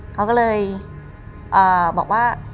เขาก็เลยบอกว่า